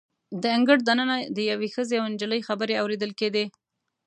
د انګړ د ننه د یوې ښځې او نجلۍ خبرې اوریدل کیدې.